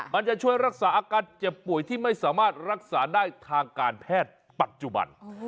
มันจะช่วยรักษาอาการเจ็บป่วยที่ไม่สามารถรักษาได้ทางการแพทย์ปัจจุบัน